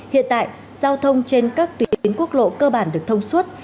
hiện tại giao thông trên các tuyến quốc lộ cơ bản được thông suốt